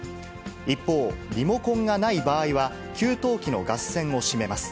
一方、リモコンがない場合は、給湯器のガス栓を閉めます。